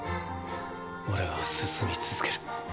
オレは進み続ける。